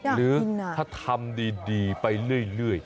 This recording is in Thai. หรือถ้าทำดีไปเรื่อย